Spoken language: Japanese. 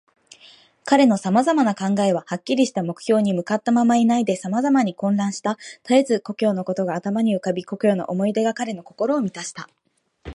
彼のさまざまな考えは、はっきりした目標に向ったままでいないで、さまざまに混乱した。たえず故郷のことが頭に浮かび、故郷の思い出が彼の心をみたした。